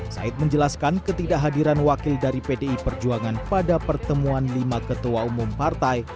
said menjelaskan ketidakhadiran wakil dari pdi perjuangan pada pertemuan lima ketua umum partai